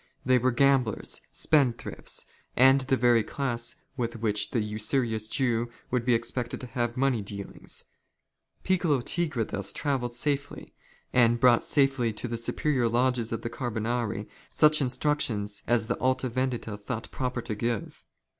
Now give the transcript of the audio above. They were gamblers, spendthrifts, and the very class with which an usurious Jew would be expected to have money dealings. Piccolo Tigre thus travelled safely ; and brought safely to the superior lodges of the Carbonari, such instruci:ions as the Alta Yendita thought proper to give.